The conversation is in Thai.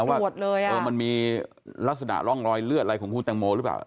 ว่ามันมีลักษณะร่องรอยเลือดอะไรของคุณตังโมหรือเปล่า